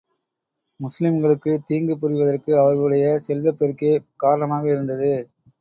முஸ்லிம்களுக்குத் தீங்கு புரிவதற்கு, அவர்களுடைய செல்வப் பெருக்கே காரணமாக இருந்தது.